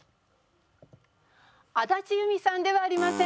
安達祐実さんではありません。